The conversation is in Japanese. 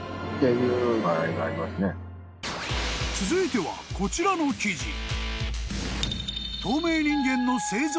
［続いてはこちらの記事］